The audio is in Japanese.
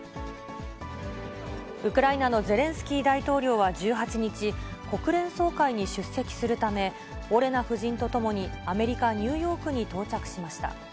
ウクライナのゼレンスキー大統領は１８日、国連総会に出席するため、オレナ夫人と共にアメリカ・ニューヨークに到着しました。